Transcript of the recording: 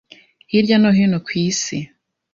hirya no hino ku isi